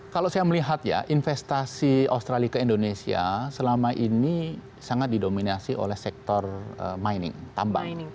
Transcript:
kalau saya melihat ya investasi australia ke indonesia selama ini sangat didominasi oleh sektor mining tambang